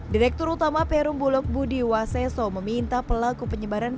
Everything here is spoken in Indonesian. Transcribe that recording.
direktur utama perum bulog budi waseso meminta pelaku penyebaran